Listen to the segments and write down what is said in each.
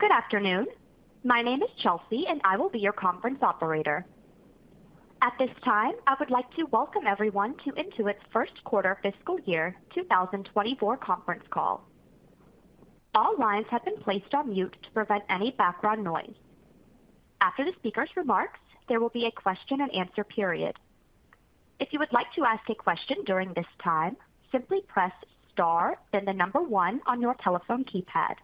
Good afternoon. My name is Chelsea, and I will be your conference operator. At this time, I would like to welcome everyone to Intuit's first quarter fiscal year 2024 conference call. All lines have been placed on mute to prevent any background noise. After the speaker's remarks, there will be a question and answer period. If you would like to ask a question during this time, simply press star, then the number one on your telephone keypad.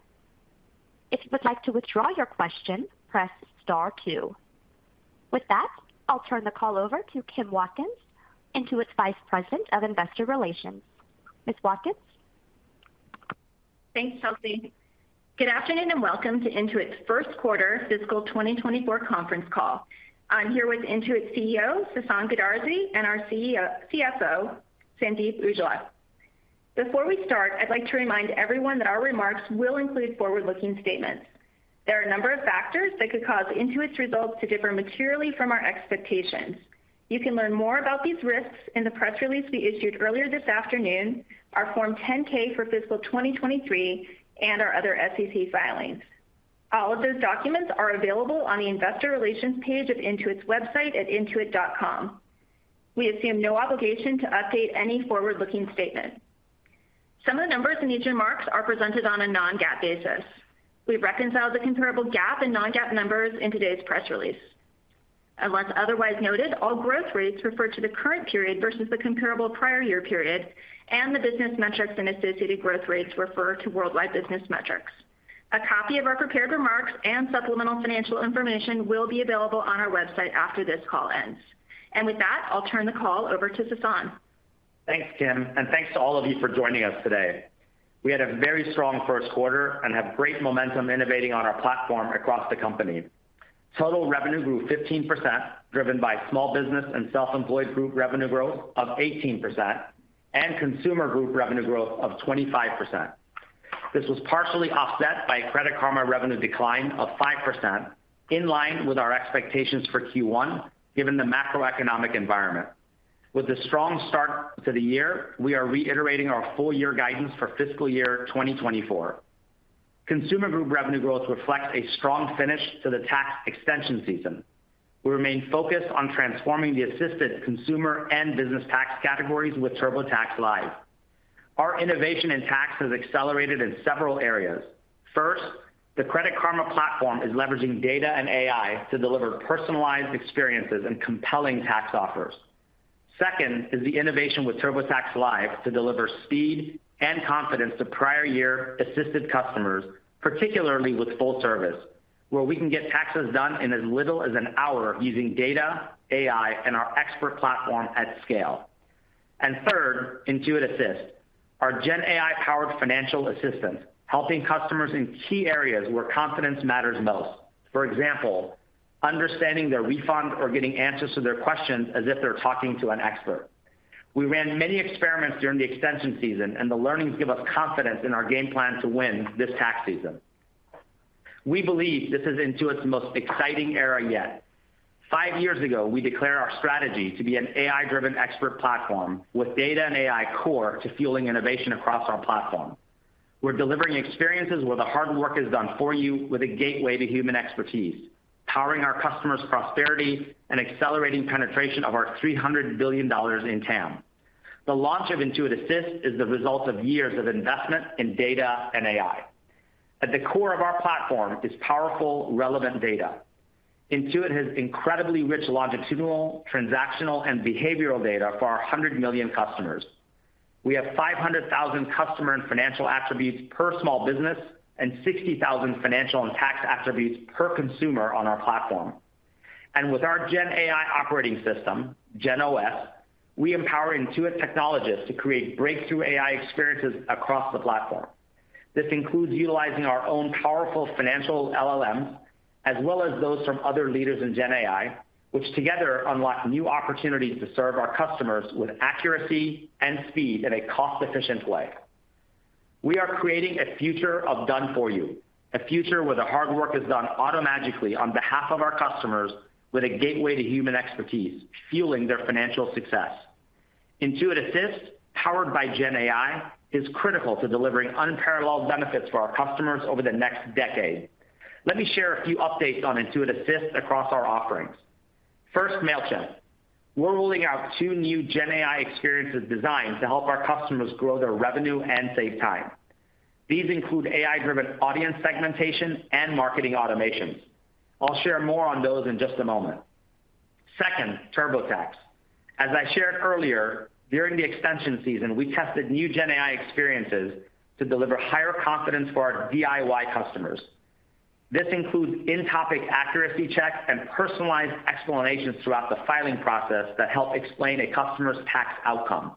If you would like to withdraw your question, press star star. With that, I'll turn the call over to Kim Watkins, Intuit's Vice President of Investor Relations. Ms. Watkins? Thanks, Chelsea. Good afternoon, and welcome to Intuit's first quarter fiscal 2024 conference call. I'm here with Intuit's Chief Executive Officer, Sasan Goodarzi, and our Chief Financial Officer, Sandeep Aujla. Before we start, I'd like to remind everyone that our remarks will include forward-looking statements. There are a number of factors that could cause Intuit's results to differ materially from our expectations. You can learn more about these risks in the press release we issued earlier this afternoon, our Form 10-K for fiscal 2023, and our other SEC filings. All of those documents are available on the investor relations page of Intuit's website at intuit.com. We assume no obligation to update any forward-looking statement. Some of the numbers in these remarks are presented on a Non-GAAP basis. We've reconciled the comparable GAAP and Non-GAAP numbers in today's press release. Unless otherwise noted, all growth rates refer to the current period versus the comparable prior year period, and the business metrics and associated growth rates refer to worldwide business metrics. A copy of our prepared remarks and supplemental financial information will be available on our website after this call ends. With that, I'll turn the call over to Sasan. Thanks, Kim, and thanks to all of you for joining us today. We had a very strong first quarter and have great momentum innovating on our platform across the company. Total revenue grew 15%, driven by small business and self-employed group revenue growth of 18% and consumer group revenue growth of 25%. This was partially offset by a Credit Karma revenue decline of 5%, in line with our expectations for Q1, given the macroeconomic environment. With a strong start to the year, we are reiterating our full year guidance for fiscal year 2024. Consumer group revenue growth reflects a strong finish to the tax extension season. We remain focused on transforming the assisted consumer and business tax categories with TurboTax Live. Our innovation in tax has accelerated in several areas. First, the Credit Karma platform is leveraging data and AI to deliver personalized experiences and compelling tax offers. Second is the innovation with TurboTax Live to deliver speed and confidence to prior year assisted customers, particularly with Full Service, where we can get taxes done in as little as an hour using data, AI, and our expert platform at scale. And third, Intuit Assist, our Gen AI-powered financial assistant, helping customers in key areas where confidence matters most. For example, understanding their refund or getting answers to their questions as if they're talking to an expert. We ran many experiments during the extension season, and the learnings give us confidence in our game plan to win this tax season. We believe this is Intuit's most exciting era yet. Five years ago, we declared our strategy to be an AI-driven expert platform with data and AI core to fueling innovation across our platform. We're delivering experiences where the hard work is done for you with a gateway to human expertise, powering our customers' prosperity and accelerating penetration of our $300 billion in TAM. The launch of Intuit Assist is the result of years of investment in data and AI. At the core of our platform is powerful, relevant data. Intuit has incredibly rich longitudinal, transactional, and behavioral data for our 100 million customers. We have 500,000 customer and financial attributes per small business and 60,000 financial and tax attributes per consumer on our platform. With our GenAI operating system, GenOS, we empower Intuit technologists to create breakthrough AI experiences across the platform. This includes utilizing our own powerful financial LLMs, as well as those from other leaders in Gen AI, which together unlock new opportunities to serve our customers with accuracy and speed in a cost-efficient way. We are creating a future of done for you, a future where the hard work is done automagically on behalf of our customers, with a gateway to human expertise, fueling their financial success. Intuit Assist, powered by Gen AI, is critical to delivering unparalleled benefits for our customers over the next decade. Let me share a few updates on Intuit Assist across our offerings. First, Mailchimp. We're rolling out two new Gen AI experiences designed to help our customers grow their revenue and save time. These include AI-driven audience segmentation and marketing automations. I'll share more on those in just a moment. Second, TurboTax. As I shared earlier, during the extension season, we tested new Gen AI experiences to deliver higher confidence for our DIY customers. This includes in-topic accuracy checks and personalized explanations throughout the filing process that help explain a customer's tax outcome.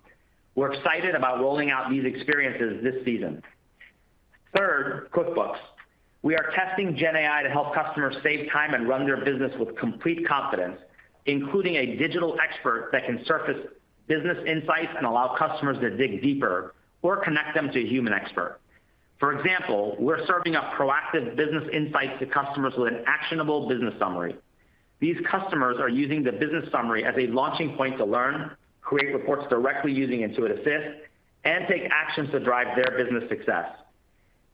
We're excited about rolling out these experiences this season. Third, QuickBooks. We are testing Gen AI to help customers save time and run their business with complete confidence, including a digital expert that can surface business insights and allow customers to dig deeper or connect them to a human expert. For example, we're serving up proactive business insights to customers with an actionable business summary.... These customers are using the business summary as a launching point to learn, create reports directly using Intuit Assist, and take actions to drive their business success.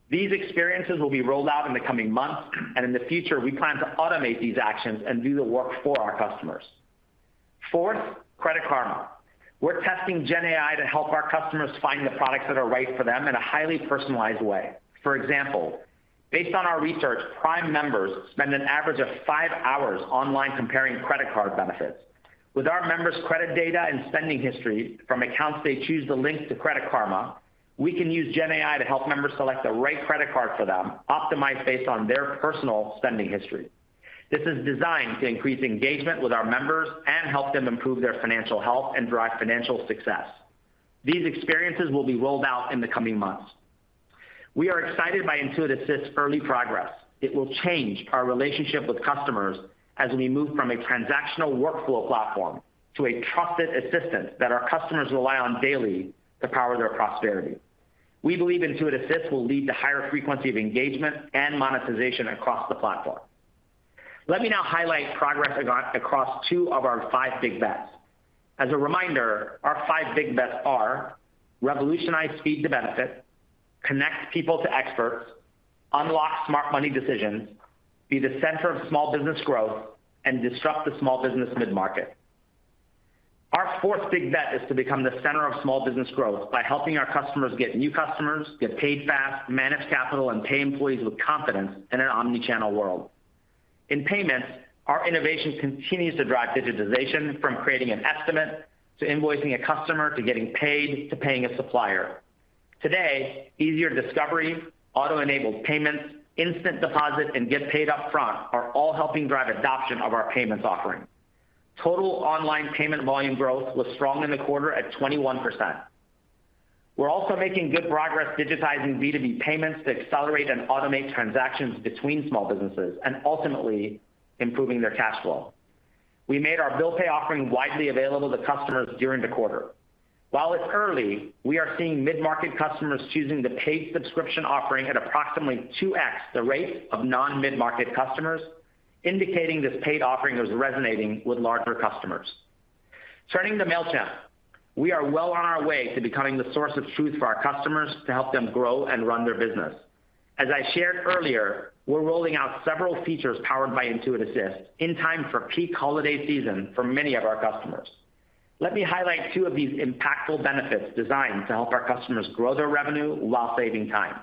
These experiences will be rolled out in the coming months, and in the future, we plan to automate these actions and do the work for our customers. Fourth, Credit Karma. We're testing GenAI to help our customers find the products that are right for them in a highly personalized way. For example, based on our research, prime members spend an average of five hours online comparing credit card benefits. With our members' credit data and spending history from accounts they choose to link to Credit Karma, we can use GenAI to help members select the right credit card for them, optimized based on their personal spending history. This is designed to increase engagement with our members and help them improve their financial health and drive financial success. These experiences will be rolled out in the coming months. We are excited by Intuit Assist's early progress. It will change our relationship with customers as we move from a transactional workflow platform to a trusted assistant that our customers rely on daily to power their prosperity. We believe Intuit Assist will lead to higher frequency of engagement and monetization across the platform. Let me now highlight progress across two of our five big bets. As a reminder, our five big bets are: revolutionize speed to benefit, connect people to experts, unlock smart money decisions, be the center of small business growth, and disrupt the small business mid-market. Our fourth big bet is to become the center of small business growth by helping our customers get new customers, get paid fast, manage capital, and pay employees with confidence in an omnichannel world. In payments, our innovation continues to drive digitization, from creating an estimate to invoicing a customer, to getting paid, to paying a supplier. Today, easier discovery, auto-enabled payments, instant deposit, and Get Paid Upfront are all helping drive adoption of our payments offering. Total online payment volume growth was strong in the quarter at 21%. We're also making good progress digitizing B2B payments to accelerate and automate transactions between small businesses and ultimately improving their cash flow. We made our Bill Pay offering widely available to customers during the quarter. While it's early, we are seeing mid-market customers choosing the paid subscription offering at approximately 2x the rate of non-mid-market customers, indicating this paid offering is resonating with larger customers. Turning to Mailchimp, we are well on our way to becoming the source of truth for our customers to help them grow and run their business. As I shared earlier, we're rolling out several features powered by Intuit Assist in time for peak holiday season for many of our customers. Let me highlight two of these impactful benefits designed to help our customers grow their revenue while saving time.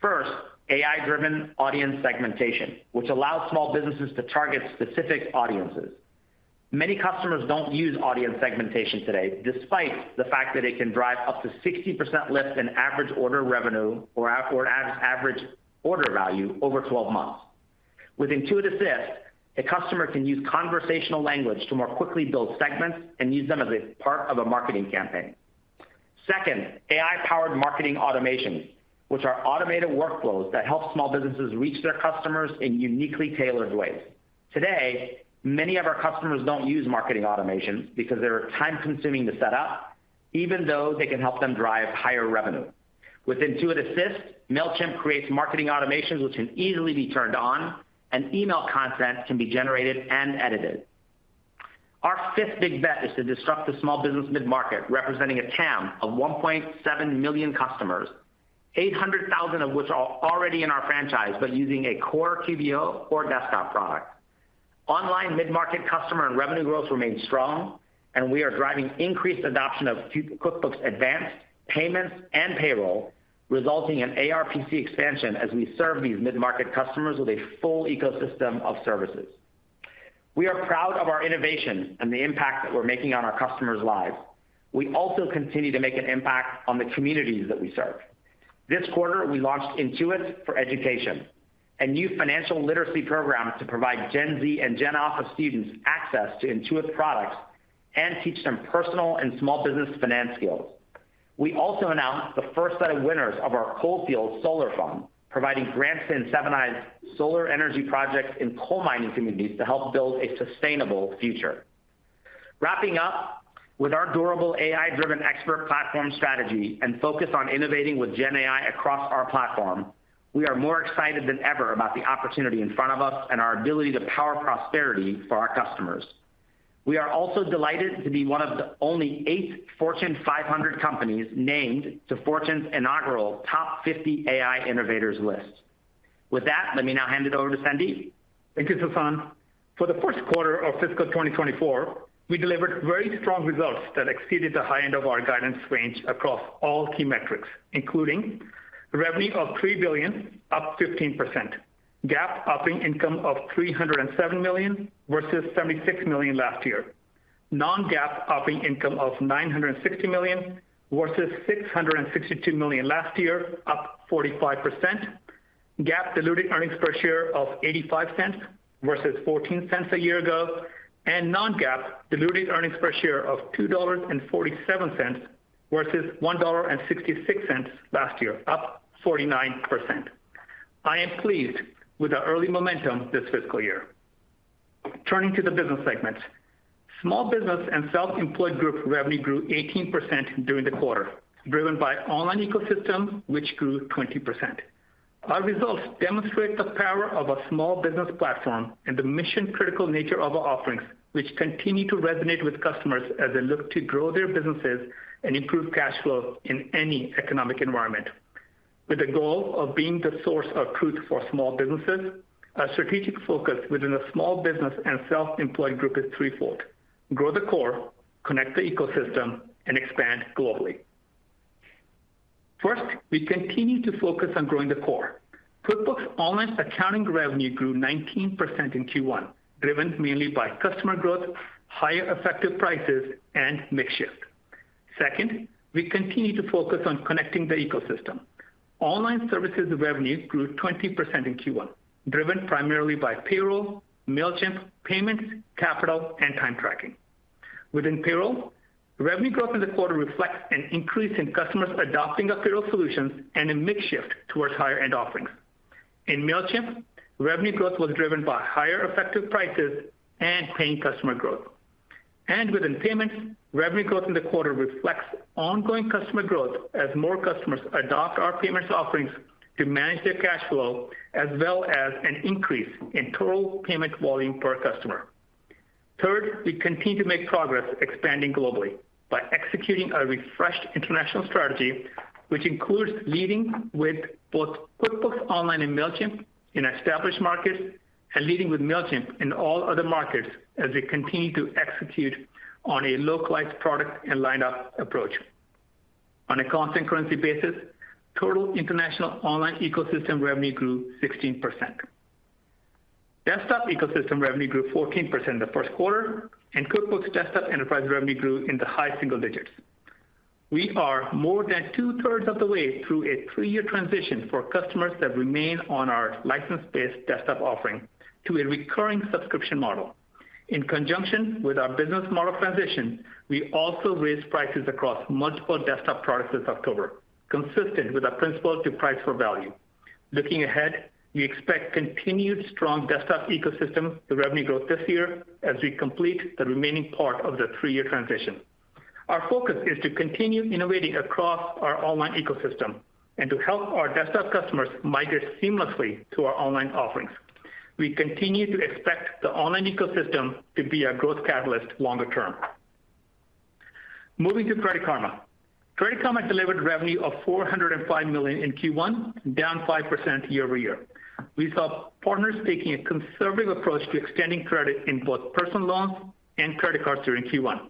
First, AI-driven audience segmentation, which allows small businesses to target specific audiences. Many customers don't use audience segmentation today, despite the fact that it can drive up to 60% less than average order revenue or average order value over 12 months. With Intuit Assist, a customer can use conversational language to more quickly build segments and use them as a part of a marketing campaign. Second, AI-powered marketing automation, which are automated workflows that help small businesses reach their customers in uniquely tailored ways. Today, many of our customers don't use marketing automation because they are time-consuming to set up, even though they can help them drive higher revenue. With Intuit Assist, Mailchimp creates marketing automations which can easily be turned on, and email content can be generated and edited. Our fifth big bet is to disrupt the small business mid-market, representing a TAM of 1.7 million customers, 800,000 of which are already in our franchise but using a core QBO or desktop product. Online mid-market customer and revenue growth remained strong, and we are driving increased adoption of QuickBooks Advanced, Payments, and Payroll, resulting in ARPC expansion as we serve these mid-market customers with a full ecosystem of services. We are proud of our innovation and the impact that we're making on our customers' lives. We also continue to make an impact on the communities that we serve. This quarter, we launched Intuit for Education, a new financial literacy program to provide Gen Z and Gen Alpha students access to Intuit products and teach them personal and small business finance skills. We also announced the first set of winners of our Coalfield Solar Fund, providing grants and 7 MW solar energy projects in coal mining communities to help build a sustainable future. Wrapping up, with our durable AI-driven expert platform strategy and focus on innovating with GenAI across our platform, we are more excited than ever about the opportunity in front of us and our ability to power prosperity for our customers. We are also delighted to be one of the only eight Fortune 500 companies named to Fortune's inaugural Top 50 AI Innovators list. With that, let me now hand it over to Sandeep. Thank you, Sasan. For the first quarter of fiscal 2024, we delivered very strong results that exceeded the high end of our guidance range across all key metrics, including revenue of $3 billion, up 15%, GAAP operating income of $307 million versus $76 million last year. Non-GAAP operating income of $960 million versus $662 million last year, up 45%. GAAP diluted earnings per share of $0.85 versus $0.14 a year ago, and Non-GAAP diluted earnings per share of $2.47 versus $1.66 last year, up 49%. I am pleased with the early momentum this fiscal year. Turning to the business segments. Small business and self-employed group revenue grew 18% during the quarter, driven by online ecosystem, which grew 20%. Our results demonstrate the power of our small business platform and the mission-critical nature of our offerings, which continue to resonate with customers as they look to grow their businesses and improve cash flow in any economic environment. With the goal of being the source of truth for small businesses, our strategic focus within the small business and self-employed group is threefold: grow the core, connect the ecosystem, and expand globally. First, we continue to focus on growing the core. QuickBooks Online's accounting revenue grew 19% in Q1, driven mainly by customer growth, higher effective prices, and mix shift. Second, we continue to focus on connecting the ecosystem. Online Services revenue grew 20% in Q1, driven primarily by Payroll, Mailchimp, Payments, Capital, and Time Tracking. Within Payroll, revenue growth in the quarter reflects an increase in customers adopting our Payroll solutions and a mix shift towards higher-end offerings. In Mailchimp, revenue growth was driven by higher effective prices and paying customer growth. Within Payments, revenue growth in the quarter reflects ongoing customer growth as more customers adopt our payments offerings to manage their cash flow, as well as an increase in total payment volume per customer. Third, we continue to make progress expanding globally by executing our refreshed international strategy, which includes leading with both QuickBooks Online and Mailchimp in established markets, and leading with Mailchimp in all other markets as we continue to execute on a localized product and lineup approach. On a constant currency basis, total international online ecosystem revenue grew 16%. Desktop Ecosystem revenue grew 14% in the first quarter, and QuickBooks Desktop Enterprise revenue grew in the high single digits. We are more than two-thirds of the way through a three-year transition for customers that remain on our license-based desktop offering to a recurring subscription model. In conjunction with our business model transition, we also raised prices across multiple desktop products this October, consistent with our principle to price for value. Looking ahead, we expect continued strong Desktop Ecosystem, the revenue growth this year as we complete the remaining part of the three-year transition. Our focus is to continue innovating across our online ecosystem and to help our desktop customers migrate seamlessly to our online offerings. We continue to expect the online ecosystem to be a growth catalyst longer term. Moving to Credit Karma. Credit Karma delivered revenue of $405 million in Q1, down 5% year-over-year. We saw partners taking a conservative approach to extending credit in both personal loans and credit cards during Q1.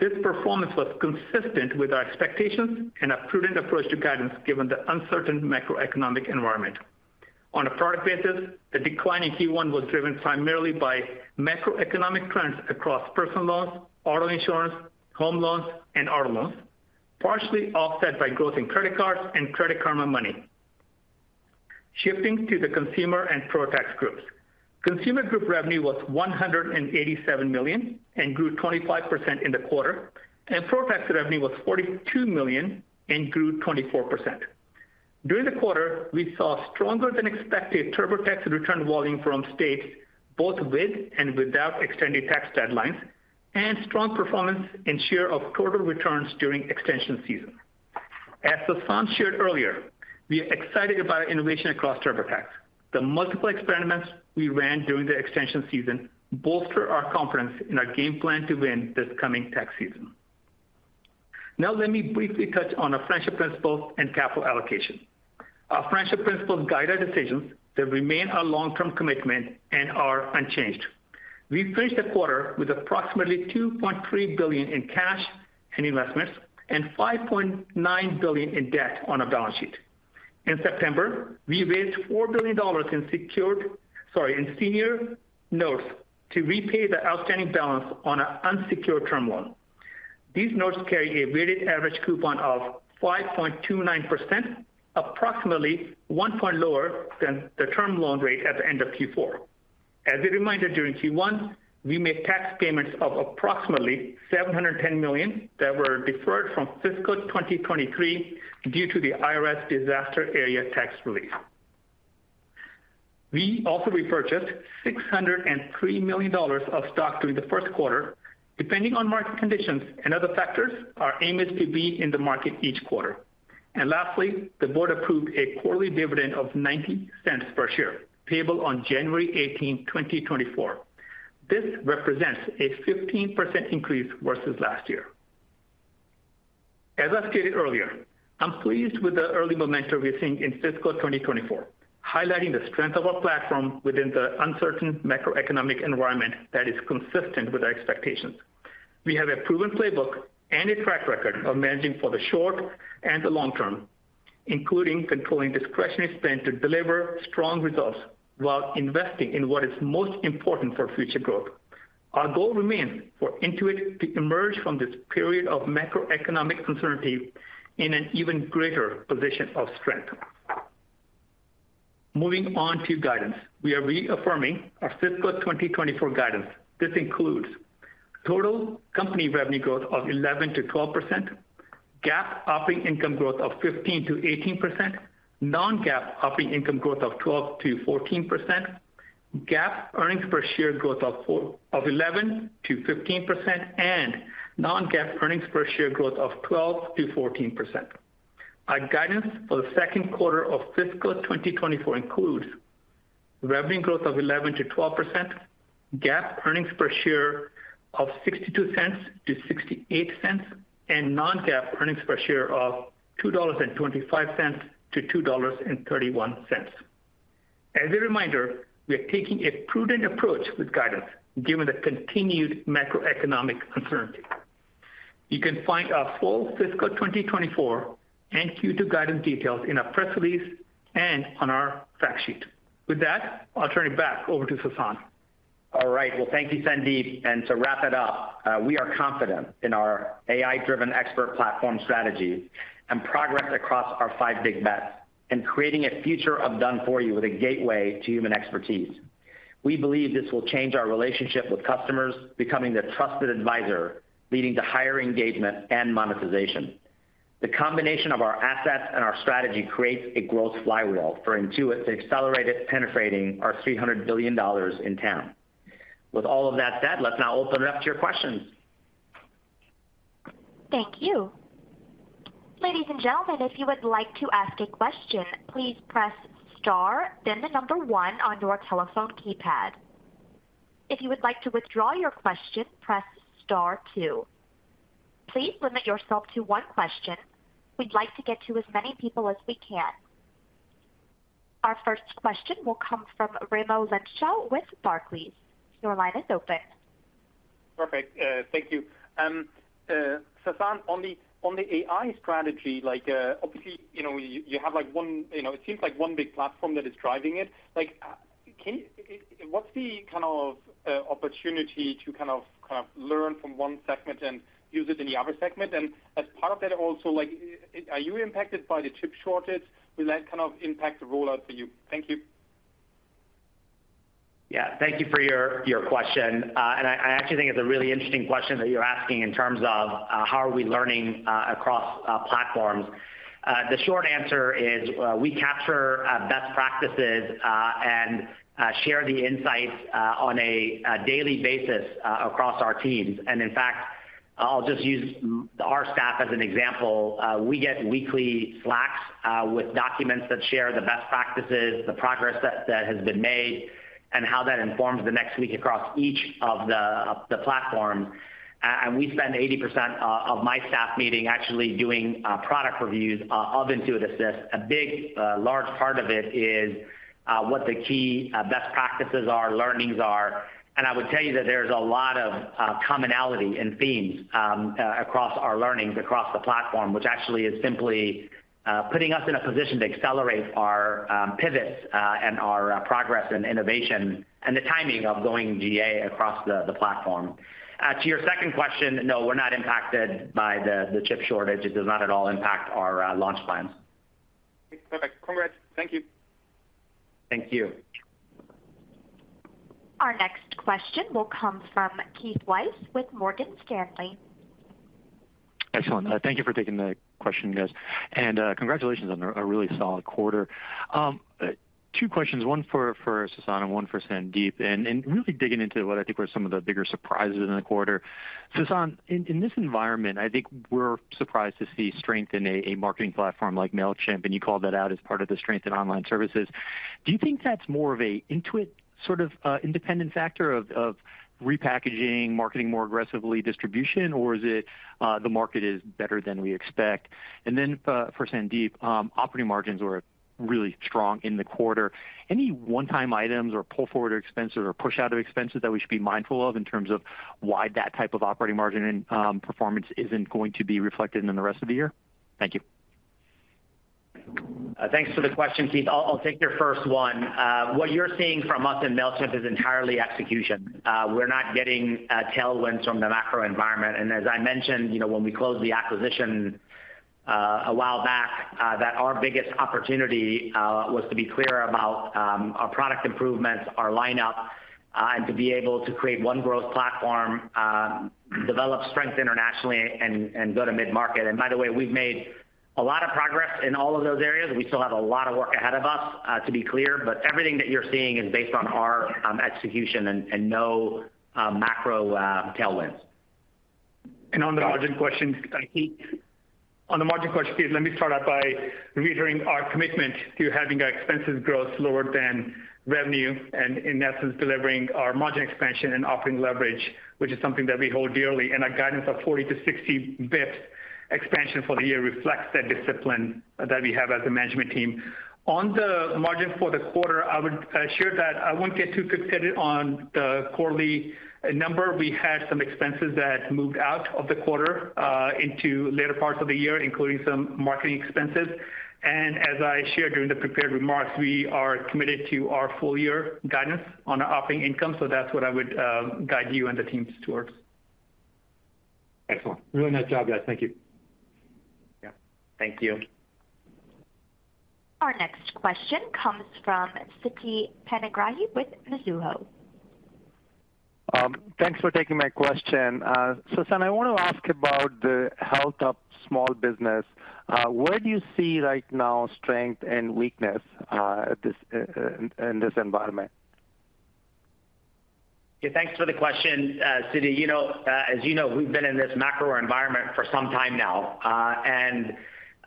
This performance was consistent with our expectations and a prudent approach to guidance, given the uncertain macroeconomic environment. On a product basis, the decline in Q1 was driven primarily by macroeconomic trends across personal loans, auto insurance, home loans, and auto loans, partially offset by growth in credit cards and Credit Karma Money. Shifting to the Consumer and ProTax groups. Consumer group revenue was $187 million and grew 25% in the quarter, and ProTax revenue was $42 million and grew 24%. During the quarter, we saw stronger than expected TurboTax return volume from states, both with and without extended tax deadlines, and strong performance in share of total returns during extension season. As Sasan shared earlier, we are excited about innovation across TurboTax. The multiple experiments we ran during the extension season bolster our confidence in our game plan to win this coming tax season. Now, let me briefly touch on our financial principles and capital allocation. Our financial principles guide our decisions that remain our long-term commitment and are unchanged. We finished the quarter with approximately $2.3 billion in cash and investments, and $5.9 billion in debt on our balance sheet. In September, we raised $4 billion in secured, sorry, in senior notes to repay the outstanding balance on an unsecured term loan. These notes carry a weighted average coupon of 5.29%, approximately 1 point lower than the term loan rate at the end of Q4. As a reminder, during Q1, we made tax payments of approximately $710 million that were deferred from fiscal 2023 due to the IRS disaster area tax relief. We also repurchased $603 million of stock during the first quarter. Depending on market conditions and other factors, our aim is to be in the market each quarter. And lastly, the Board approved a quarterly dividend of $0.90 per share, payable on January 18, 2024. This represents a 15% increase versus last year. As I stated earlier, I'm pleased with the early momentum we're seeing in fiscal 2024, highlighting the strength of our platform within the uncertain macroeconomic environment that is consistent with our expectations. We have a proven playbook and a track record of managing for the short and the long term, including controlling discretionary spend to deliver strong results while investing in what is most important for future growth. Our goal remains for Intuit to emerge from this period of macroeconomic uncertainty in an even greater position of strength. Moving on to guidance. We are reaffirming our fiscal 2024 guidance. This includes total company revenue growth of 11%-12%, GAAP operating income growth of 15%-18%, Non-GAAP operating income growth of 12%-14%, GAAP earnings per share growth of eleven to fifteen percent, and Non-GAAP earnings per share growth of 12%-14%. Our guidance for the second quarter of fiscal 2024 includes revenue growth of 11%-12%, GAAP earnings per share of $0.62-$0.68, and Non-GAAP earnings per share of $2.25-$2.31. As a reminder, we are taking a prudent approach with guidance, given the continued macroeconomic uncertainty. You can find our full fiscal 2024 and Q2 guidance details in our press release and on our fact sheet. With that, I'll turn it back over to Sasan. All right. Well, thank you, Sandeep. To wrap it up, we are confident in our AI-driven expert platform strategy and progress across our five big bets, and creating a future of done for you with a gateway to human expertise. We believe this will change our relationship with customers, becoming the trusted advisor, leading to higher engagement and monetization. The combination of our assets and our strategy creates a growth flywheel for Intuit to accelerate it penetrating our $300 billion in TAM. With all of that said, let's now open it up to your questions. Thank you. Ladies and gentlemen, if you would like to ask a question, please press star, then the number one on your telephone keypad. If you would like to withdraw your question, press star two. Please limit yourself to one question. We'd like to get to as many people as we can. Our first question will come from Raimo Lenschow with Barclays. Your line is open. Perfect. Thank you. Sasan, on the, on the AI strategy, like, obviously, you know, you, you have, like, one—you know, it seems like one big platform that is driving it. Like, can you—what's the kind of, opportunity to kind of, kind of learn from one segment and use it in the other segment? And as part of that, also, like, are you impacted by the chip shortage? Will that kind of impact the rollout for you? Thank you. Yeah, thank you for your, your question. And I actually think it's a really interesting question that you're asking in terms of how are we learning across platforms. The short answer is we capture best practices and share the insights on a daily basis across our teams. And in fact, I'll just use our staff as an example. We get weekly Slacks with documents that share the best practices, the progress that has been made, and how that informs the next week across each of the platforms. And we spend 80% of my staff meeting actually doing product reviews of Intuit Assist. A big, large part of it is what the key best practices are, learnings are. I would tell you that there's a lot of commonality and themes across our learnings across the platform, which actually is simply putting us in a position to accelerate our pivots and our progress and innovation and the timing of going GA across the platform. To your second question, no, we're not impacted by the chip shortage. It does not at all impact our launch plans. Perfect. Congrats. Thank you. Thank you. Our next question will come from Keith Weiss with Morgan Stanley. Excellent. Thank you for taking the question, guys, and congratulations on a really solid quarter. Two questions, one for Sasan and one for Sandeep, and really digging into what I think were some of the bigger surprises in the quarter. Sasan, in this environment, I think we're surprised to see strength in a marketing platform like Mailchimp, and you called that out as part of the strength in Online Services. Do you think that's more of a Intuit sort of independent factor of repackaging, marketing more aggressively, distribution, or is it the market is better than we expect? And then, for Sandeep, operating margins were really strong in the quarter. Any one-time items or pull-forward expenses or push-out of expenses that we should be mindful of in terms of why that type of operating margin and performance isn't going to be reflected in the rest of the year? Thank you. Thanks for the question, Keith. I'll take your first one. What you're seeing from us in Mailchimp is entirely execution. We're not getting tailwinds from the macro environment. And as I mentioned, you know, when we closed the acquisition a while back, that our biggest opportunity was to be clear about our product improvements, our lineup, and to be able to create one growth platform, develop strength internationally and go to mid-market. And by the way, we've made a lot of progress in all of those areas. We still have a lot of work ahead of us, to be clear, but everything that you're seeing is based on our execution and no macro tailwinds. On the margin question, Keith, on the margin question, Keith, let me start out by reiterating our commitment to having our expenses growth lower than revenue, and in essence, delivering our margin expansion and operating leverage, which is something that we hold dearly, and our guidance of 40-60 bps expansion for the year reflects that discipline that we have as a management team. On the margin for the quarter, I would share that I won't get too fixated on the quarterly number. We had some expenses that moved out of the quarter into later parts of the year, including some marketing expenses. As I shared during the prepared remarks, we are committed to our full year guidance on our operating income, so that's what I would guide you and the teams towards. Excellent. Really nice job, guys. Thank you. Yeah. Thank you. Our next question comes from Siti Panigrahi with Mizuho. Thanks for taking my question. Sasan, I want to ask about the health of small business. Where do you see right now strength and weakness in this environment? Yeah, thanks for the question, Siti. You know, as you know, we've been in this macro environment for some time now.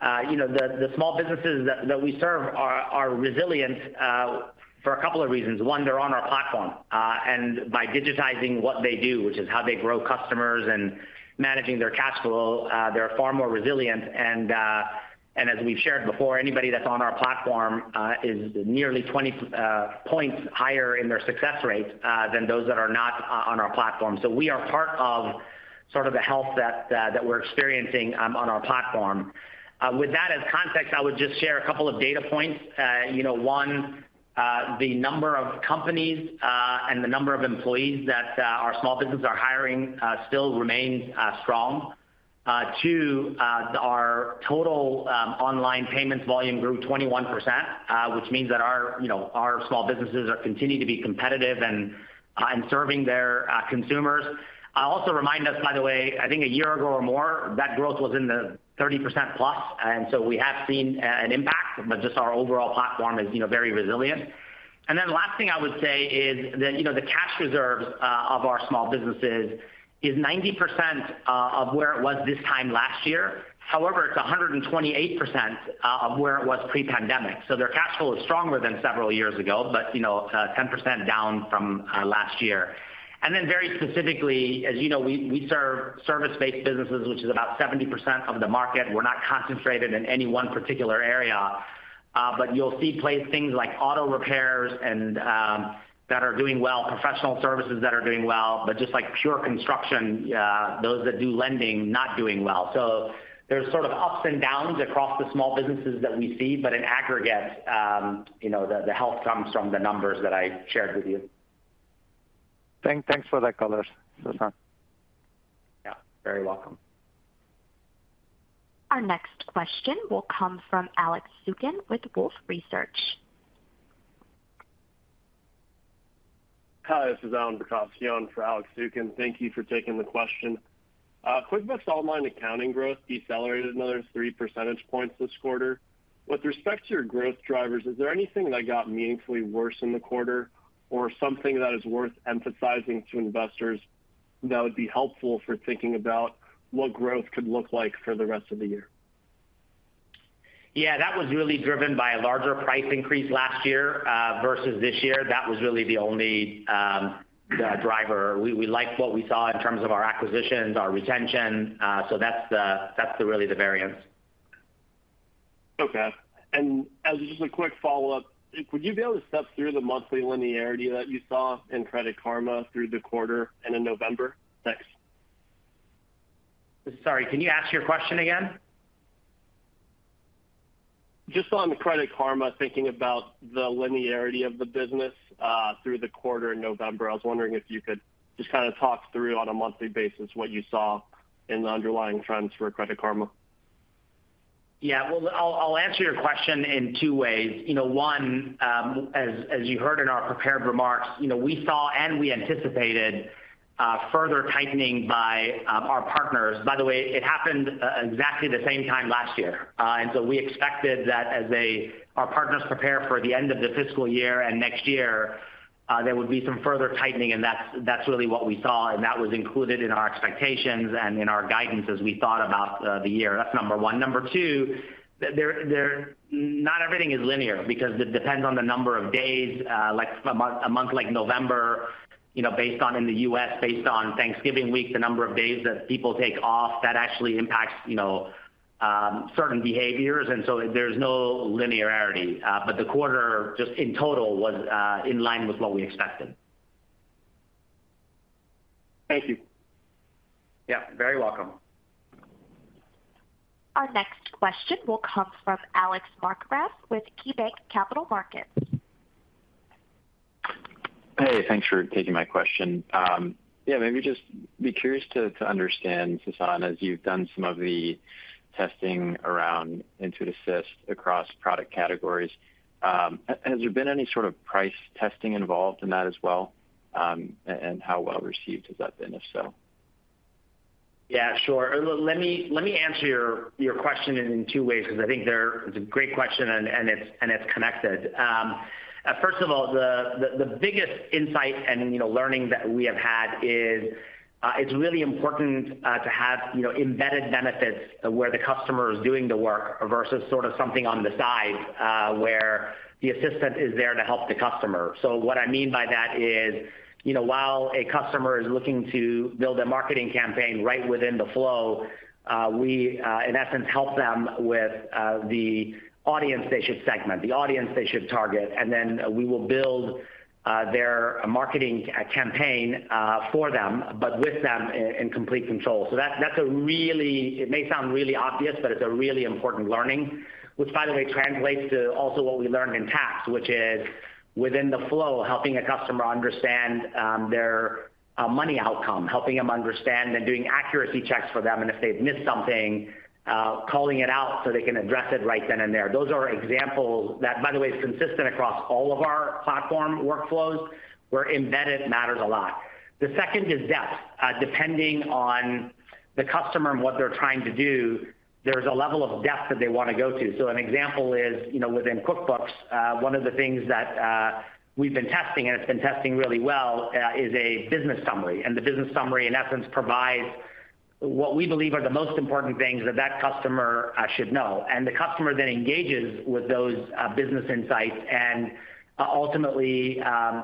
The small businesses that we serve are resilient for a couple of reasons. One, they're on our platform, and by digitizing what they do, which is how they grow customers and managing their cash flow, they're far more resilient. And as we've shared before, anybody that's on our platform is nearly 20 points higher in their success rates than those that are not on our platform. So we are part of sort of the health that we're experiencing on our platform. With that as context, I would just share a couple of data points. You know, one, the number of companies and the number of employees that our small businesses are hiring still remains strong. Two, our total online payments volume grew 21%, which means that our, you know, our small businesses are continuing to be competitive and in serving their consumers. I'll also remind us, by the way, I think a year ago or more, that growth was in the 30% plus, and so we have seen an impact, but just our overall platform is, you know, very resilient. And then the last thing I would say is that, you know, the cash reserves of our small businesses is 90% of where it was this time last year. However, it's 128% of where it was pre-pandemic. So their cash flow is stronger than several years ago, but, you know, 10% down from last year. And then very specifically, as you know, we serve service-based businesses, which is about 70% of the market. We're not concentrated in any one particular area, but you'll see places like auto repairs and that are doing well, professional services that are doing well, but just like pure construction, those that do lending not doing well. So there's sort of ups and downs across the small businesses that we see, but in aggregate, you know, the health comes from the numbers that I shared with you. Thanks for that color, Sasan. Yeah, very welcome. Our next question will come from Alex Zukin with Wolfe Research. Hi, this is Allan Verkhovski on for Alex Zukin. Thank you for taking the question. QuickBooks Online accounting growth decelerated another 3 percentage points this quarter. With respect to your growth drivers, is there anything that got meaningfully worse in the quarter or something that is worth emphasizing to investors that would be helpful for thinking about what growth could look like for the rest of the year? Yeah, that was really driven by a larger price increase last year versus this year. That was really the only driver. We liked what we saw in terms of our acquisitions, our retention. So that's really the variance. Okay. And as just a quick follow-up, would you be able to step through the monthly linearity that you saw in Credit Karma through the quarter and in November? Thanks. Sorry, can you ask your question again? Just on Credit Karma, thinking about the linearity of the business through the quarter in November, I was wondering if you could just kind of talk through on a monthly basis what you saw in the underlying trends for Credit Karma? Yeah. Well, I'll answer your question in two ways. You know, one, as you heard in our prepared remarks, you know, we saw and we anticipated further tightening by our partners. By the way, it happened exactly the same time last year. And so we expected that as they, our partners prepare for the end of the fiscal year and next year, there would be some further tightening, and that's really what we saw, and that was included in our expectations and in our guidance as we thought about the year. That's number one. Number two, not everything is linear because it depends on the number of days, like a month, a month like November, you know, based on in the US, based on Thanksgiving week, the number of days that people take off, that actually impacts, you know, certain behaviors, and so there's no linearity. But the quarter, just in total, was in line with what we expected. Thank you. Yeah, very welcome. Our next question will come from Alex Markgraff with KeyBanc Capital Markets. Hey, thanks for taking my question. Yeah, maybe just be curious to understand, Sasan, as you've done some of the testing around Intuit Assist across product categories, has there been any sort of price testing involved in that as well? And how well received has that been, if so? Yeah, sure. Let me answer your question in two ways, because I think they're. It's a great question and it's connected. First of all, the biggest insight and, you know, learning that we have had is, it's really important to have, you know, embedded benefits where the customer is doing the work versus sort of something on the side where the assistant is there to help the customer. So what I mean by that is, you know, while a customer is looking to build a marketing campaign right within the flow, we in essence help them with the audience they should segment, the audience they should target, and then we will build their marketing campaign for them, but with them in complete control. So that, that's a really, it may sound really obvious, but it's a really important learning, which, by the way, translates to also what we learned in tax, which is within the flow, helping a customer understand their money outcome, helping them understand and doing accuracy checks for them, and if they've missed something, calling it out so they can address it right then and there. Those are examples that, by the way, is consistent across all of our platform workflows, where embedded matters a lot. The second is depth. Depending on the customer and what they're trying to do, there's a level of depth that they want to go to. So an example is, you know, within QuickBooks, one of the things that we've been testing, and it's been testing really well, is a business summary. The business summary, in essence, provides what we believe are the most important things that that customer should know. The customer then engages with those business insights and ultimately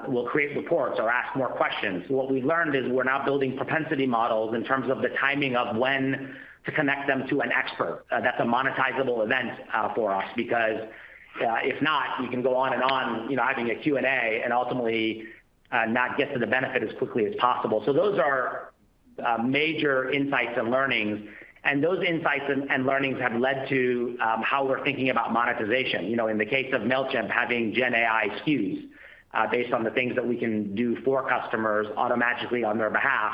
will create reports or ask more questions. What we've learned is we're now building propensity models in terms of the timing of when to connect them to an expert. That's a monetizable event for us, because if not, you can go on and on, you know, having a Q&A, and ultimately not get to the benefit as quickly as possible. Those are major insights and learnings, and those insights and learnings have led to how we're thinking about monetization. You know, in the case of Mailchimp, having GenAI SKUs based on the things that we can do for customers automatically on their behalf.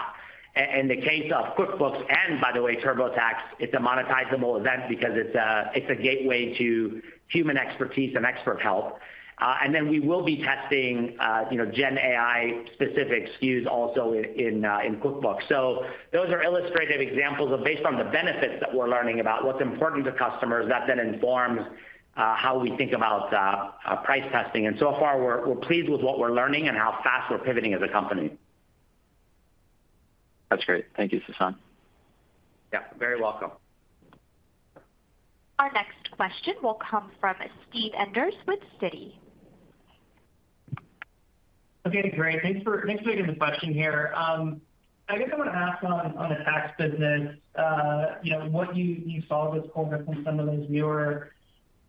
And in the case of QuickBooks, and by the way, TurboTax, it's a monetizable event because it's a, it's a gateway to human expertise and expert help. And then we will be testing, you know, GenAI-specific SKUs also in QuickBooks. So those are illustrative examples of based on the benefits that we're learning about what's important to customers, that then informs how we think about price testing. And so far, we're pleased with what we're learning and how fast we're pivoting as a company. That's great. Thank you, Sasan. Yeah, very welcome. Our next question will come from Steve Enders with Citi. Okay, great. Thanks for taking the question here. I guess I'm going to ask on the tax business, you know, what you saw this quarter from some of those newer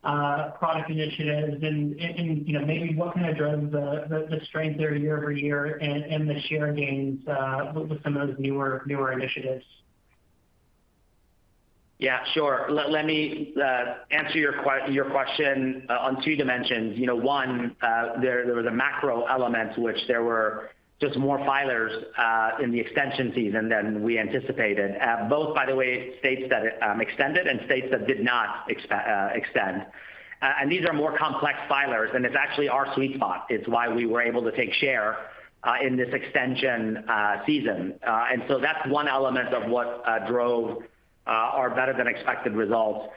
product initiatives and, you know, maybe what kind of drove the strength there year over year and the share gains with some of those newer initiatives? Yeah, sure. Let me answer your question on two dimensions. You know, one, there was a macro element, which there were just more filers in the extension season than we anticipated. Both, by the way, states that extended and states that did not extend. And these are more complex filers, and it's actually our sweet spot. It's why we were able to take share in this extension season. And so that's one element of what drove our better-than-expected results.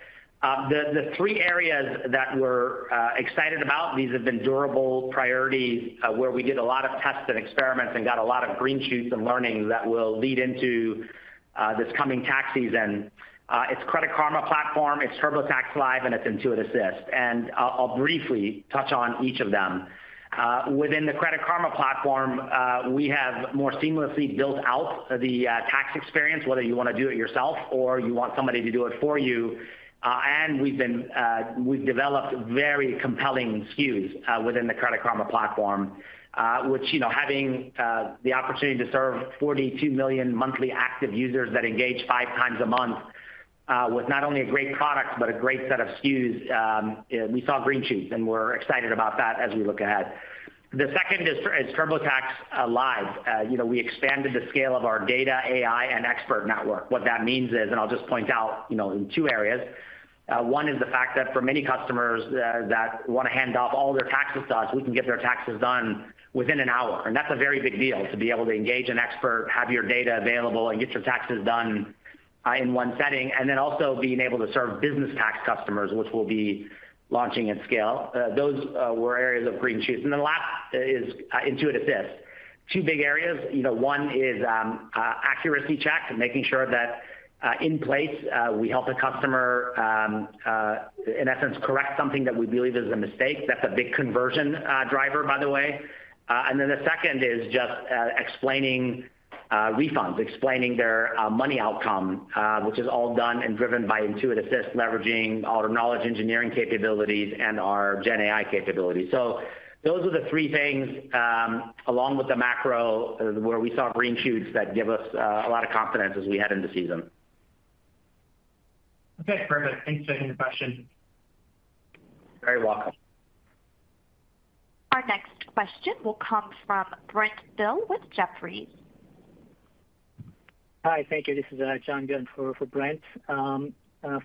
The three areas that we're excited about, these have been durable priorities, where we did a lot of tests and experiments and got a lot of green shoots and learnings that will lead into this coming tax season. It's the Credit Karma platform, it's TurboTax Live, and it's Intuit Assist, and I'll briefly touch on each of them. Within the Credit Karma platform, we have more seamlessly built out the tax experience, whether you want to do it yourself or you want somebody to do it for you. And we've developed very compelling SKUs within the Credit Karma platform, which, you know, having the opportunity to serve 42 million monthly active users that engage five times a month with not only a great product, but a great set of SKUs, we saw green shoots, and we're excited about that as we look ahead. The second is TurboTax Live. You know, we expanded the scale of our data, AI, and expert network. What that means is, and I'll just point out, you know, in two areas. One is the fact that for many customers that want to hand off all their taxes to us, we can get their taxes done within an hour, and that's a very big deal, to be able to engage an expert, have your data available, and get your taxes done in one setting. And then also being able to serve business tax customers, which we'll be launching at scale. Those were areas of green shoots. And then the last is Intuit Assist. Two big areas. You know, one is accuracy checks and making sure that in place we help the customer in essence correct something that we believe is a mistake. That's a big conversion driver, by the way. And then the second is just explaining refunds, explaining their money outcome, which is all done and driven by Intuit Assist, leveraging our knowledge engineering capabilities and our GenAI capabilities. So those are the three things, along with the macro, where we saw green shoots that give us a lot of confidence as we head into season. Okay, perfect. Thanks for taking the question. Very welcome. Our next question will come from Brent Thill with Jefferies. Hi, thank you. This is, John Byun for, for Brent.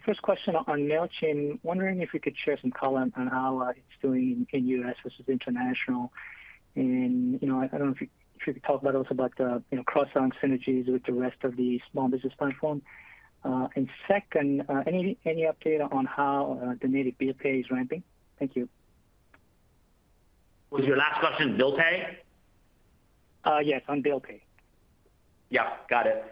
First question on Mailchimp. Wondering if you could share some color on how, it's doing in U.S. versus international? And, you know, I don't know if you- if you could talk about also about the, you know, cross-selling synergies with the rest of the small business platform. And second, any, any update on how, the native Bill Pay is ramping? Thank you. Was your last question Bill Pay? Yes, on Bill Pay. Yeah, got it.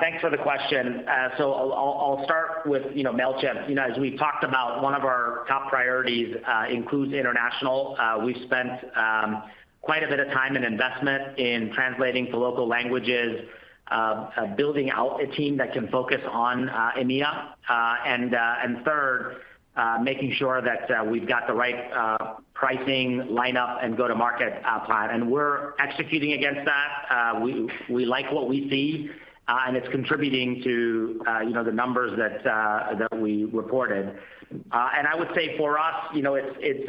Thanks for the question. So I'll start with, you know, Mailchimp. You know, as we've talked about, one of our top priorities includes international. We've spent quite a bit of time and investment in translating to local languages, building out a team that can focus on EMEA, and third, making sure that we've got the right pricing line up and go-to-market plan. And we're executing against that. We like what we see, and it's contributing to, you know, the numbers that we reported. And I would say for us, you know, it's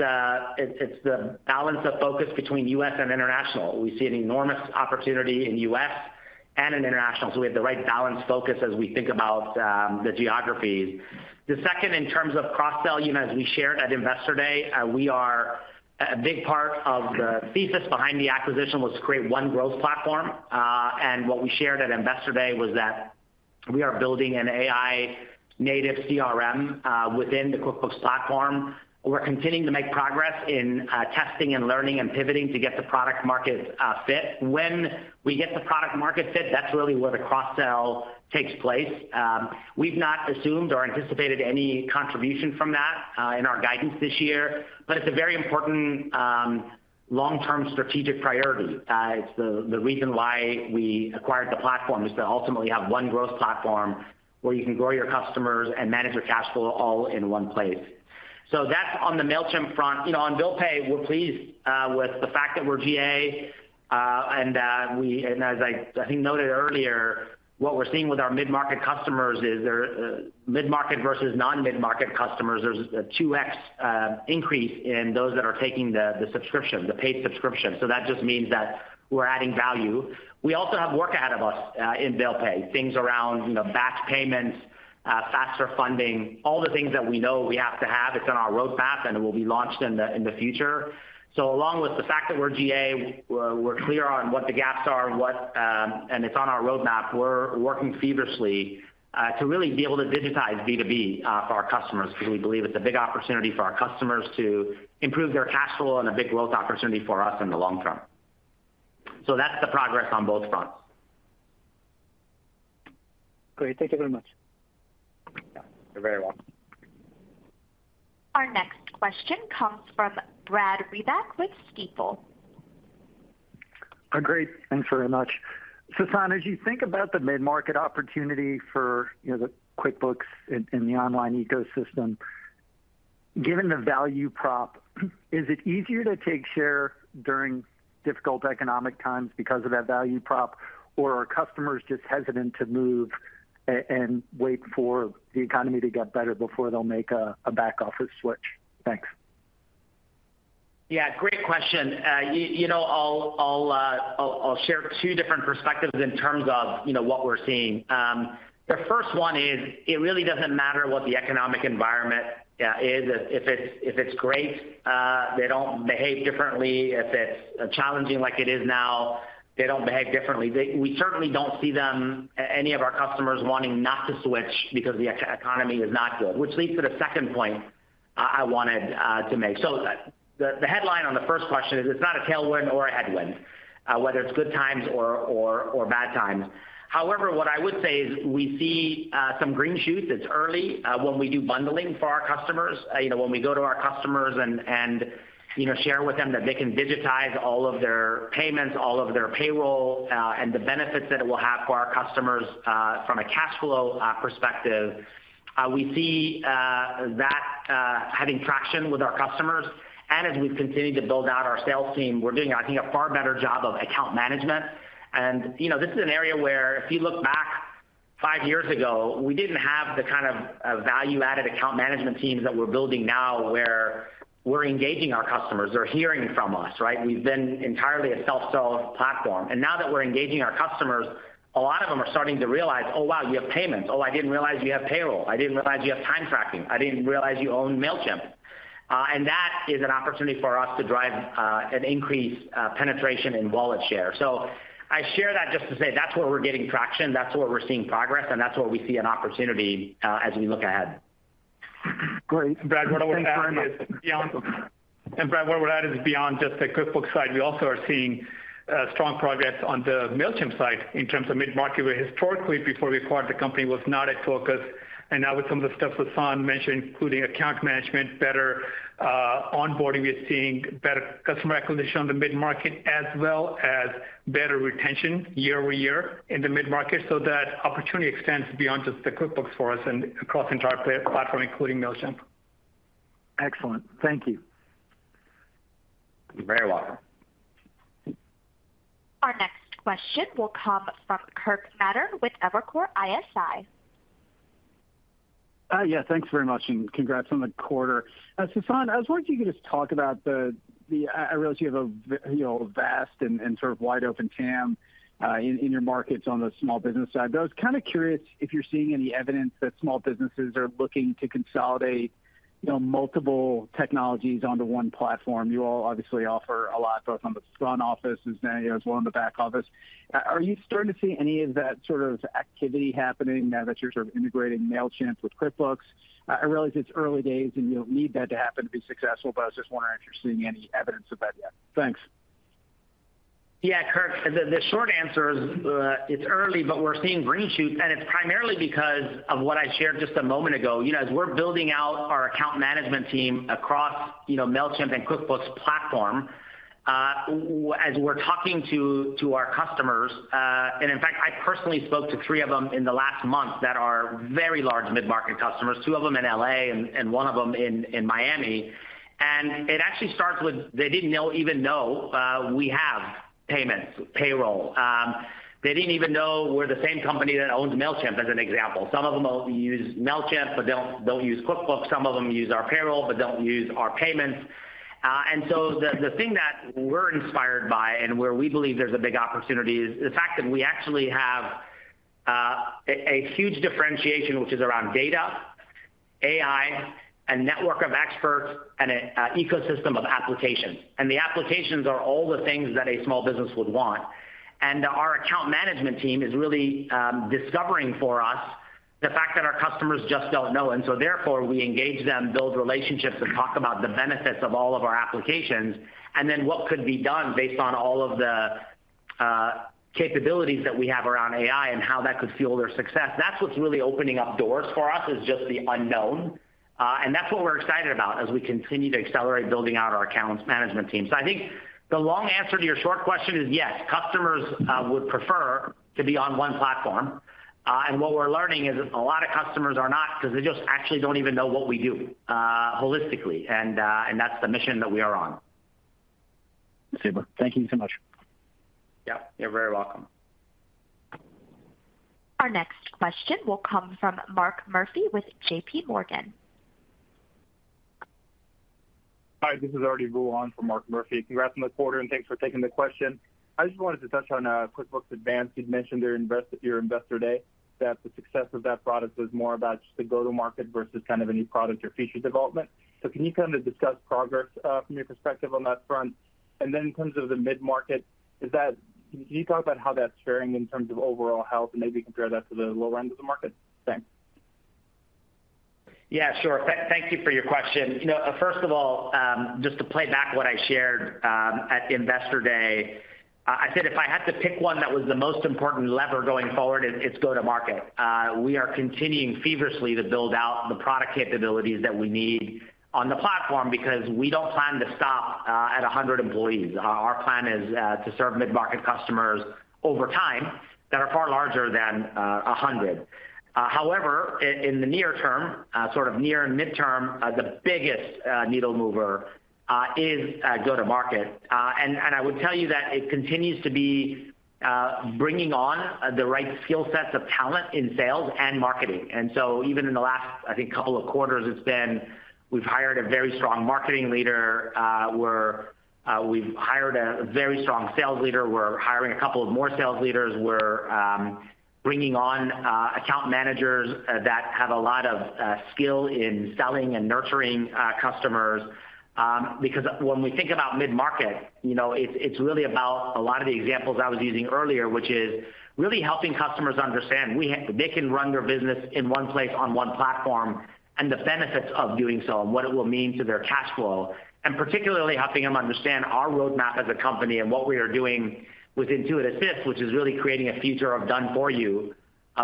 the balance of focus between U.S. and international. We see an enormous opportunity in U.S. and in international, so we have the right balanced focus as we think about the geographies. The second, in terms of cross-sell, you know, as we shared at Investor Day, we are. A big part of the thesis behind the acquisition was to create one growth platform. And what we shared at Investor Day was that. We are building an AI native CRM within the QuickBooks platform. We're continuing to make progress in testing and learning and pivoting to get the product market fit. When we get the product market fit, that's really where the cross-sell takes place. We've not assumed or anticipated any contribution from that in our guidance this year, but it's a very important long-term strategic priority. It's the reason why we acquired the platform is to ultimately have one growth platform where you can grow your customers and manage your cash flow all in one place. So that's on the Mailchimp front. You know, on Bill Pay, we're pleased with the fact that we're GA and as I think I noted earlier, what we're seeing with our mid-market customers is mid-market versus non-mid-market customers, there's a 2x increase in those that are taking the subscription, the paid subscription, so that just means that we're adding value. We also have work ahead of us in Bill Pay, things around, you know, batch payments, faster funding, all the things that we know we have to have. It's on our roadmap, and it will be launched in the future. So along with the fact that we're GA, we're clear on what the gaps are. And it's on our roadmap. We're working feverishly to really be able to digitize B2B for our customers because we believe it's a big opportunity for our customers to improve their cash flow and a big growth opportunity for us in the long term. So that's the progress on both fronts. Great. Thank you very much. You're very welcome. Our next question comes from Brad Reback with Stifel. Great, thanks very much. Sasan, as you think about the mid-market opportunity for, you know, the QuickBooks in the online ecosystem, given the value prop, is it easier to take share during difficult economic times because of that value prop, or are customers just hesitant to move and wait for the economy to get better before they'll make a back-office switch? Thanks. Yeah, great question. You know, I'll share two different perspectives in terms of, you know, what we're seeing. The first one is it really doesn't matter what the economic environment is. If it's, if it's great, they don't behave differently. If it's challenging like it is now, they don't behave differently. They-- we certainly don't see them, any of our customers wanting not to switch because the economy is not good, which leads to the second point I wanted to make. So the headline on the first question is it's not a tailwind or a headwind, whether it's good times or bad times. However, what I would say is we see some green shoots. It's early. When we do bundling for our customers, you know, when we go to our customers and, you know, share with them that they can digitize all of their payments, all of their payroll, and the benefits that it will have for our customers, from a cash flow perspective, we see that having traction with our customers. And as we've continued to build out our sales team, we're doing, I think, a far better job of account management. And, you know, this is an area where if you look back five years ago, we didn't have the kind of value-added account management teams that we're building now, where we're engaging our customers. They're hearing from us, right? We've been entirely a self-sell platform. Now that we're engaging our customers, a lot of them are starting to realize, "Oh, wow, you have payments. Oh, I didn't realize you have payroll. I didn't realize you have time tracking. I didn't realize you own Mailchimp." and that is an opportunity for us to drive an increased penetration in wallet share. So I share that just to say that's where we're getting traction, that's where we're seeing progress, and that's where we see an opportunity as we look ahead. Great. Brad, what we're adding is beyond just the QuickBooks side. We also are seeing strong progress on the Mailchimp side in terms of mid-market, where historically, before we acquired, the company was not a focus. And now with some of the stuff Sasan mentioned, including account management, better onboarding, we are seeing better customer acquisition on the mid-market, as well as better retention year-over-year in the mid-market. So that opportunity extends beyond just the QuickBooks for us and across the entire platform, including Mailchimp. Excellent. Thank you. You're very welcome. Our next question will come from Kirk Materne with Evercore ISI. Yeah, thanks very much, and congrats on the quarter. Sasan, I was wondering if you could just talk about the. I realize you have a vast and sort of wide open TAM in your markets on the small business side. But I was kind of curious if you're seeing any evidence that small businesses are looking to consolidate, you know, multiple technologies onto one platform. You all obviously offer a lot, both on the front office as well in the back office. Are you starting to see any of that sort of activity happening now that you're sort of integrating Mailchimp with QuickBooks? I realize it's early days, and you'll need that to happen to be successful, but I was just wondering if you're seeing any evidence of that yet. Thanks. Yeah, Kirk, the short answer is, it's early, but we're seeing green shoots, and it's primarily because of what I shared just a moment ago. You know, as we're building out our account management team across, you know, Mailchimp and QuickBooks platform, as we're talking to our customers... And in fact, I personally spoke to three of them in the last month that are very large mid-market customers, two of them in L.A. and one of them in Miami. And it actually starts with they didn't even know we have payments, payroll. They didn't even know we're the same company that owns Mailchimp, as an example. Some of them will use Mailchimp, but they don't use QuickBooks. Some of them use our payroll but don't use our payments. And so the thing that we're inspired by and where we believe there's a big opportunity is the fact that we actually have a huge differentiation, which is around data, AI, a network of experts, and a ecosystem of applications. And the applications are all the things that a small business would want. And our account management team is really discovering for us the fact that our customers just don't know, and so therefore, we engage them, build relationships, and talk about the benefits of all of our applications, and then what could be done based on all of the capabilities that we have around AI and how that could fuel their success. That's what's really opening up doors for us, is just the unknown, and that's what we're excited about as we continue to accelerate building out our accounts management team. So I think the long answer to your short question is, yes, customers would prefer to be on one platform, and what we're learning is a lot of customers are not, because they just actually don't even know what we do, holistically, and, and that's the mission that we are on. Super. Thank you so much. Yeah, you're very welcome. Our next question will come from Mark Murphy with JP Morgan. Hi, this is Arti Vula for Mark Murphy. Congrats on the quarter, and thanks for taking the question. I just wanted to touch on QuickBooks Advanced. You'd mentioned during your Investor Day that the success of that product was more about just the go-to-market versus kind of a new product or feature development. So can you kind of discuss progress from your perspective on that front? And then in terms of the mid-market, is that... Can you talk about how that's faring in terms of overall health and maybe compare that to the lower end of the market? Thanks. Yeah, sure. Thank you for your question. You know, first of all, just to play back what I shared at the Investor Day, I said if I had to pick one that was the most important lever going forward, it's go-to-market. We are continuing feverishly to build out the product capabilities that we need on the platform because we don't plan to stop at 100 employees. Our plan is to serve mid-market customers over time that are far larger than 100. However, in the near term, sort of near and mid-term, the biggest needle mover is go-to-market. And I would tell you that it continues to be bringing on the right skill sets of talent in sales and marketing. And so even in the last, I think, couple of quarters, it's been we've hired a very strong marketing leader, we're we've hired a very strong sales leader. We're hiring a couple of more sales leaders. We're bringing on account managers that have a lot of skill in selling and nurturing customers. Because when we think about mid-market, you know, it's, it's really about a lot of the examples I was using earlier, which is really helping customers understand they can run their business in one place on one platform, and the benefits of doing so and what it will mean to their cash flow, and particularly helping them understand our roadmap as a company and what we are doing with Intuit Assist, which is really creating a future of done-for-you,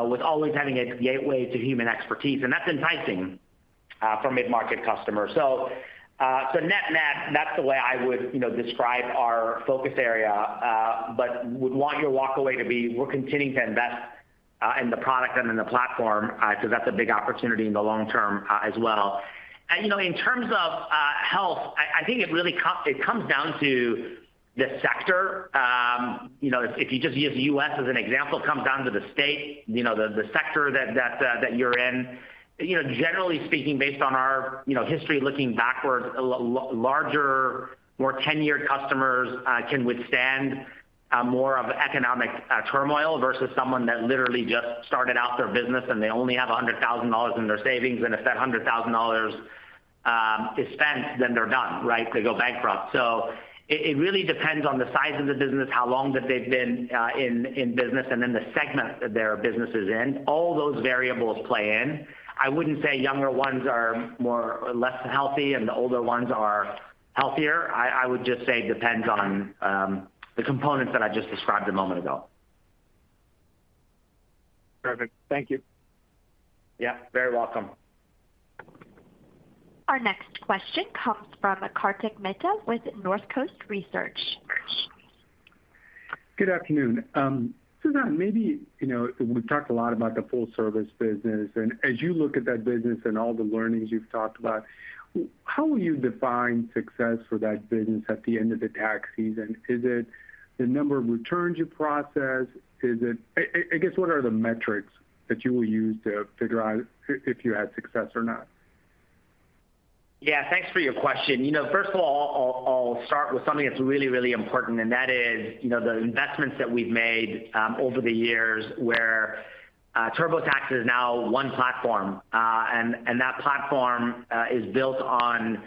with always having a gateway to human expertise, and that's enticing, for mid-market customers. So, so net-net, that's the way I would, you know, describe our focus area, but would want your takeaway to be, we're continuing to invest, in the product and in the platform, because that's a big opportunity in the long term, as well. You know, in terms of health, I think it really comes down to the sector. You know, if you just use the U.S. as an example, it comes down to the state, you know, the sector that you're in. You know, generally speaking, based on our history looking backwards, larger, more tenured customers can withstand more of economic turmoil versus someone that literally just started out their business, and they only have $100,000 in their savings, and if that $100,000 is spent, then they're done, right? They go bankrupt. So it really depends on the size of the business, how long they've been in business, and then the segment that their business is in. All those variables play in. I wouldn't say younger ones are more or less healthy and the older ones are healthier. I, I would just say it depends on the components that I just described a moment ago. Perfect. Thank you. Yeah, very welcome. Our next question comes from Kartik Mehta with Northcoast Research. Good afternoon. So now maybe, you know, we've talked a lot about the full service business, and as you look at that business and all the learnings you've talked about, how will you define success for that business at the end of the tax season? Is it the number of returns you process? Is it... I guess, what are the metrics that you will use to figure out if you had success or not? Yeah, thanks for your question. You know, first of all, I'll, I'll start with something that's really, really important, and that is, you know, the investments that we've made over the years, where TurboTax is now one platform, and that platform is built on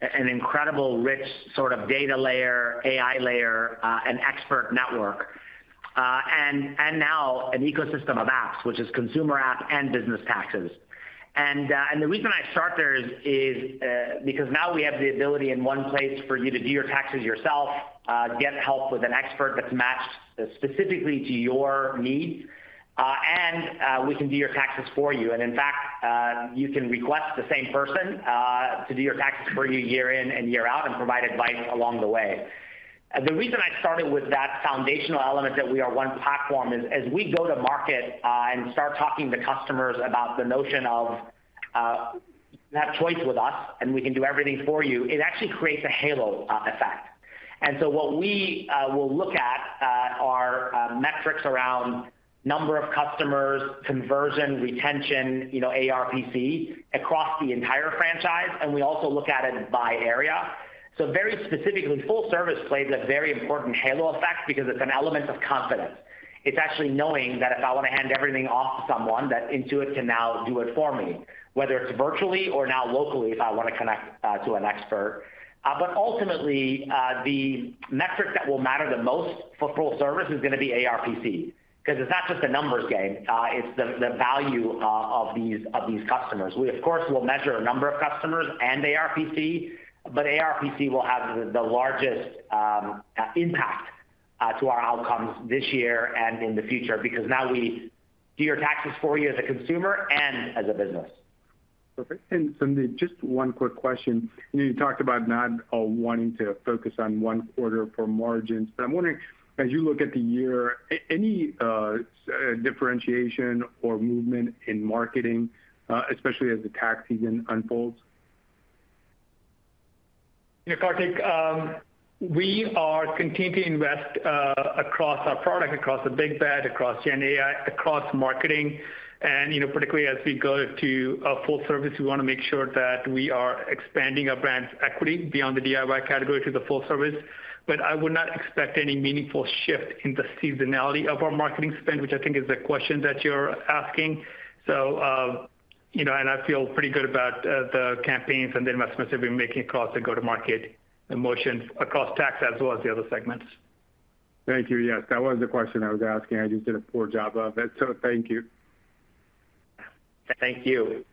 an incredible rich sort of data layer, AI layer, an expert network, and now an ecosystem of apps, which is consumer app and business taxes. And the reason I start there is because now we have the ability in one place for you to do your taxes yourself, get help with an expert that's matched specifically to your needs, and we can do your taxes for you. In fact, you can request the same person to do your taxes for you year in and year out and provide advice along the way. The reason I started with that foundational element, that we are one platform, is as we go to market and start talking to customers about the notion of you have choice with us, and we can do everything for you, it actually creates a halo effect. And so what we will look at are metrics around number of customers, conversion, retention, you know, ARPC across the entire franchise, and we also look at it by area... So very specifically, full service plays a very important halo effect because it's an element of confidence. It's actually knowing that if I want to hand everything off to someone, that Intuit can now do it for me, whether it's virtually or now locally, if I want to connect to an expert. But ultimately, the metric that will matter the most for Full Service is going to be ARPC, 'cause it's not just a numbers game, it's the value of these customers. We, of course, will measure a number of customers and ARPC, but ARPC will have the largest impact to our outcomes this year and in the future, because now we do your taxes for you as a consumer and as a business. Perfect. And Sandeep, just one quick question. You know, you talked about not wanting to focus on one quarter for margins, but I'm wondering, as you look at the year, any differentiation or movement in marketing, especially as the tax season unfolds? Yeah, Kartik, we are continuing to invest across our product, across the Big Bets, across GenAI, across marketing. And, you know, particularly as we go to full service, we want to make sure that we are expanding our brand's equity beyond the DIY category to the full service. But I would not expect any meaningful shift in the seasonality of our marketing spend, which I think is the question that you're asking. So, you know, and I feel pretty good about the campaigns and the investments we've been making across the go-to-market and motions across tax as well as the other segments. Thank you. Yes, that was the question I was asking. I just did a poor job of it, so thank you. Thank you.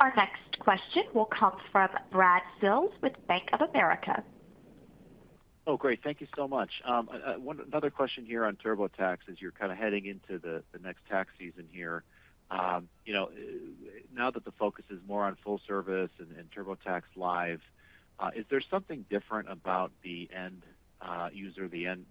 Our next question will come from Brad Sills with Bank of America. Oh, great. Thank you so much. Another question here on TurboTax, as you're kind of heading into the next tax season here. You know, now that the focus is more on full service and TurboTax Live, is there something different about the end user, the end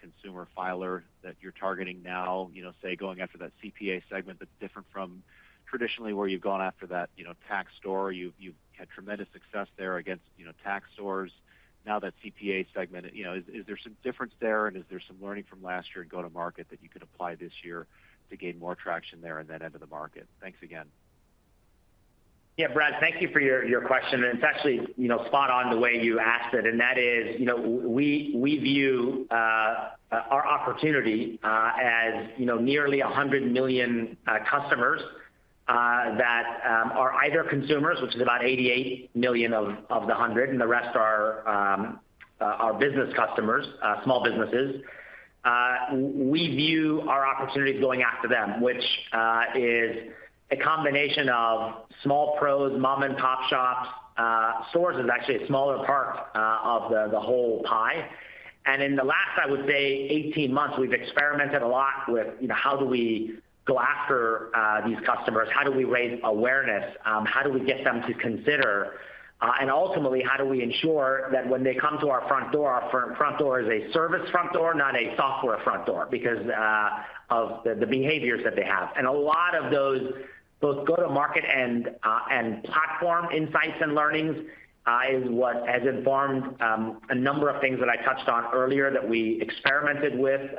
consumer filer that you're targeting now, you know, say, going after that CPA segment that's different from traditionally where you've gone after that, you know, tax store? You've had tremendous success there against, you know, tax stores. Now, that CPA segment, you know, is there some difference there, and is there some learning from last year in go-to-market that you could apply this year to gain more traction there in that end of the market? Thanks again. Yeah, Brad, thank you for your question, and it's actually, you know, spot on the way you asked it, and that is: You know, we view our opportunity as, you know, nearly 100 million customers that are either consumers, which is about 88 million of the 100, and the rest are our business customers, small businesses. We view our opportunities going after them, which is a combination of small pros, mom-and-pop shops. Stores is actually a smaller part of the whole pie. And in the last, I would say 18 months, we've experimented a lot with, you know, how do we go after these customers? How do we raise awareness? How do we get them to consider, and ultimately, how do we ensure that when they come to our front door, our front door is a service front door, not a software front door, because of the behaviors that they have. And a lot of those, both go-to-market and platform insights and learnings, is what has informed a number of things that I touched on earlier that we experimented with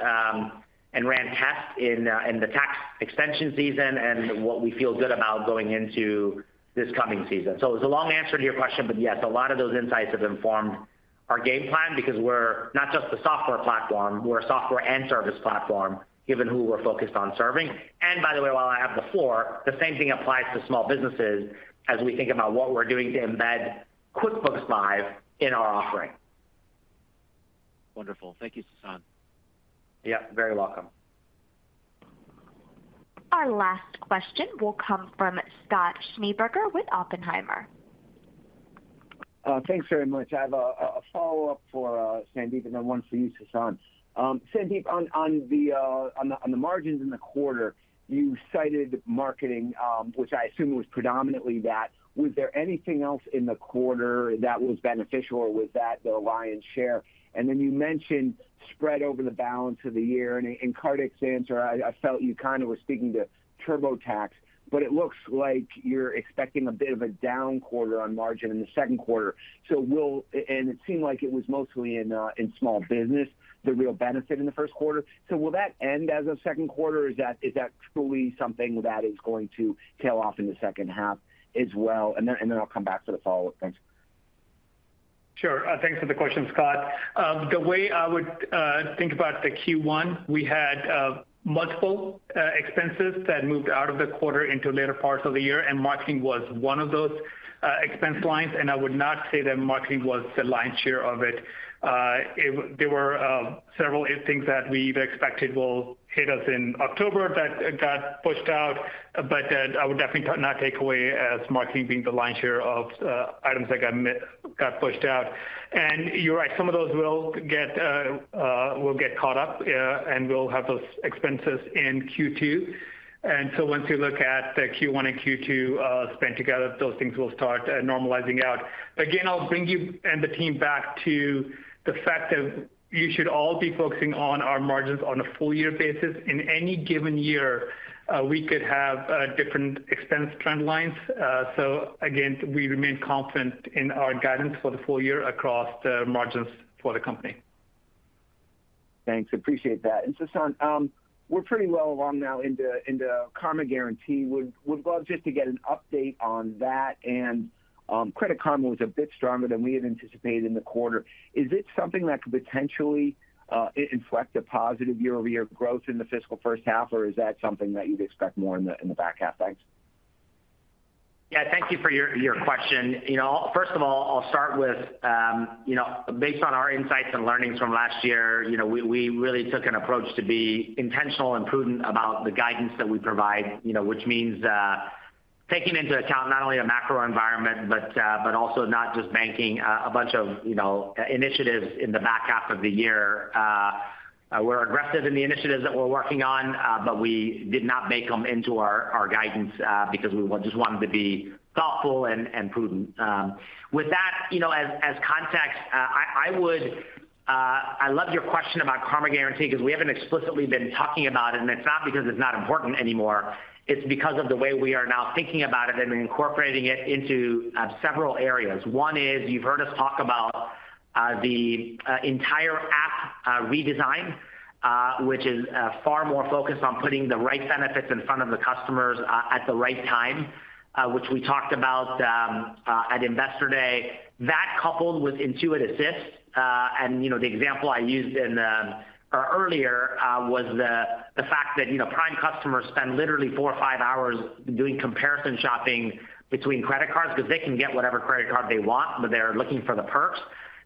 and ran tests in the tax extension season and what we feel good about going into this coming season. So it's a long answer to your question, but yes, a lot of those insights have informed our game plan because we're not just a software platform, we're a software and service platform, given who we're focused on serving. By the way, while I have the floor, the same thing applies to small businesses as we think about what we're doing to embed QuickBooks Live in our offering. Wonderful. Thank you, Sasan. Yeah, very welcome. Our last question will come from Scott Schneeberger with Oppenheimer. Thanks very much. I have a follow-up for Sandeep, and then one for you, Sasan. Sandeep, on the margins in the quarter, you cited marketing, which I assume was predominantly that. Was there anything else in the quarter that was beneficial, or was that the lion's share? And then you mentioned spread over the balance of the year, and in Kartik's answer, I felt you kind of were speaking to TurboTax, but it looks like you're expecting a bit of a down quarter on margin in the second quarter. So will... and it seemed like it was mostly in small business, the real benefit in the first quarter. Will that end as of second quarter, or is that truly something that is going to tail off in the second half as well? Then I'll come back to the follow-up. Thanks. Sure. Thanks for the question, Scott. The way I would think about the Q1, we had multiple expenses that moved out of the quarter into later parts of the year, and marketing was one of those expense lines, and I would not say that marketing was the lion's share of it. There were several things that we've expected will hit us in October that got pushed out, but I would definitely not take away as marketing being the lion's share of items that got pushed out. And you're right, some of those will get caught up, and we'll have those expenses in Q2. And so once you look at the Q1 and Q2 spend together, those things will start normalizing out. Again, I'll bring you and the team back to the fact that you should all be focusing on our margins on a full year basis. In any given year, we could have different expense trend lines. So again, we remain confident in our guidance for the full year across the margins for the company.... Thanks. Appreciate that. And Sasan, we're pretty well along now into Karma Guarantee. Would love just to get an update on that. And Credit Karma was a bit stronger than we had anticipated in the quarter. Is it something that could potentially inflect a positive year-over-year growth in the fiscal first half, or is that something that you'd expect more in the back half? Thanks. Yeah, thank you for your, your question. You know, first of all, I'll start with, you know, based on our insights and learnings from last year, you know, we, we really took an approach to be intentional and prudent about the guidance that we provide, you know, which means, taking into account not only a macro environment, but, but also not just banking, a bunch of, you know, initiatives in the back half of the year. We're aggressive in the initiatives that we're working on, but we did not make them into our, our guidance, because we just wanted to be thoughtful and, and prudent. With that, you know, as, as context, I, I would... I love your question about Karma Guarantee because we haven't explicitly been talking about it, and it's not because it's not important anymore. It's because of the way we are now thinking about it and incorporating it into several areas. One is, you've heard us talk about the entire app redesign, which is far more focused on putting the right benefits in front of the customers at the right time, which we talked about at Investor Day. That coupled with Intuit Assist, and you know, the example I used in the earlier was the fact that you know, prime customers spend literally four or five hours doing comparison shopping between credit cards because they can get whatever credit card they want, but they're looking for the perks.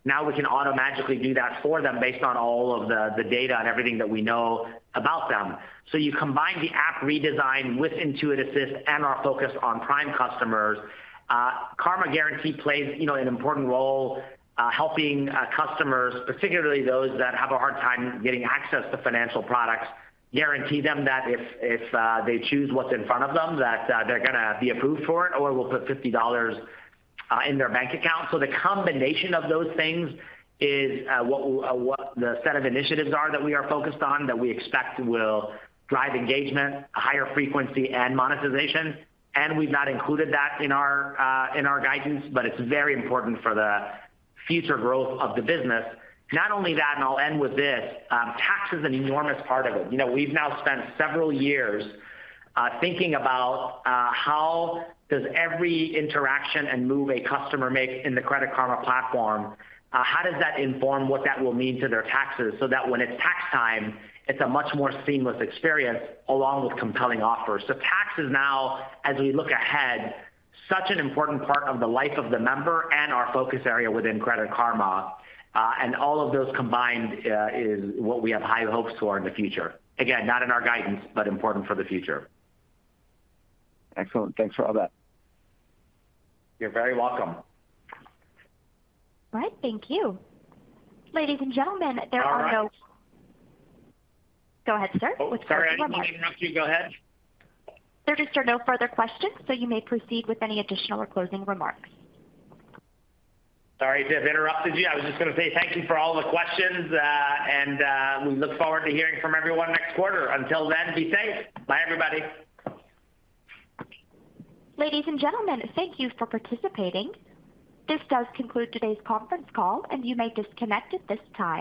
Now, we can automatically do that for them based on all of the data and everything that we know about them. So you combine the app redesign with Intuit Assist and our focus on prime customers, Karma Guarantee plays, you know, an important role, helping customers, particularly those that have a hard time getting access to financial products, guarantee them that if they choose what's in front of them, that they're gonna be approved for it, or we'll put $50 in their bank account. So the combination of those things is what the set of initiatives are that we are focused on, that we expect will drive engagement, higher frequency, and monetization. And we've not included that in our guidance, but it's very important for the future growth of the business. Not only that, and I'll end with this, tax is an enormous part of it. You know, we've now spent several years, thinking about, how does every interaction and move a customer makes in the Credit Karma platform, how does that inform what that will mean to their taxes? So that when it's tax time, it's a much more seamless experience along with compelling offers. So tax is now, as we look ahead, such an important part of the life of the member and our focus area within Credit Karma, and all of those combined, is what we have high hopes for in the future. Again, not in our guidance, but important for the future. Excellent. Thanks for all that. You're very welcome. All right. Thank you. Ladies and gentlemen, there are no- All right. Go ahead, sir, with further remarks. Oh, sorry. I didn't mean to interrupt you. Go ahead. There just are no further questions, so you may proceed with any additional or closing remarks. Sorry to have interrupted you. I was just gonna say thank you for all the questions, and, we look forward to hearing from everyone next quarter. Until then, be safe. Bye, everybody. Ladies and gentlemen, thank you for participating. This does conclude today's conference call, and you may disconnect at this time.